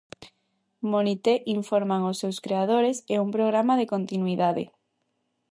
Monité, informan os seus creadores, é un programa de continuidade.